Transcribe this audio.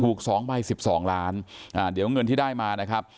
ถูกสองใบสิบสองล้านอ่าเดี๋ยวเงินที่ได้มานะครับ